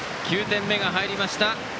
９点目が入りました。